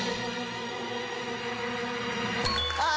ああ！